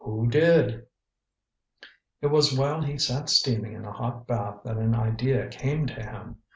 Who did? It was while he sat steaming in a hot bath that an idea came to him.